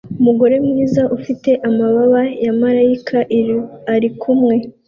umugore mwiza ufite amababa ya malayika arikumwe